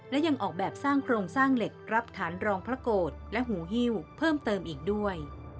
และยังออกแบบสร้างโครงสร้างเหล็กรับฐานรองพระโกรธและหูฮิ้วเพิ่มเติมอีกด้วย